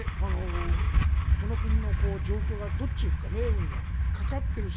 この国の状況がどっちに行くか命運がかかっているし